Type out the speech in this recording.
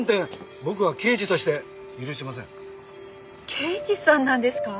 刑事さんなんですか？